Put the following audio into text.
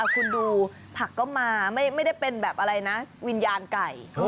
คุณดูผักก็มาไม่ได้เป็นแบบอะไรนะวิญญาณไก่